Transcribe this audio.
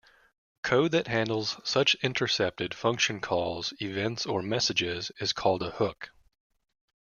Code that handles such intercepted function calls, events or messages is called a hook.